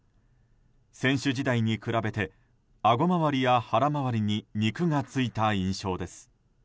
選手時代に比べてあご回りや腹回りに肉がついた印象です。